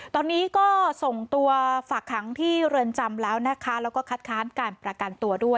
ตอนนี้ก็ส่งตัวฝากขังที่เรือนจำแล้วนะคะแล้วก็คัดค้านการประกันตัวด้วย